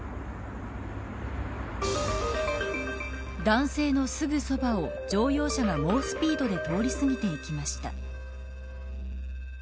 男性のすぐそばを乗用車が猛スピードで通り過ぎていきました。